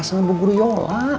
sama bu guru yola